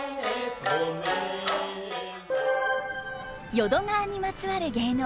淀川にまつわる芸能